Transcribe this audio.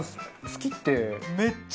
「好き」って。